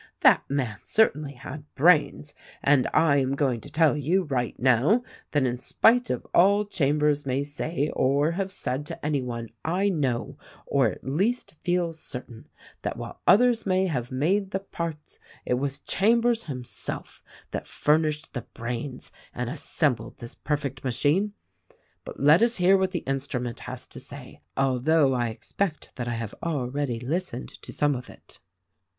That man certainly had brains ; and I am going to tell you, right now, that in spite of all Cham bers may say or have said to anyone, I know, or at least feel certain, that while others may have made the parts, it was Chambers himself that furnished the brains and 248 THE RECORDING ANGEL assembled this perfect machine. But, let us hear what the instrument has to say; although, I expect that I have already listened to some of it."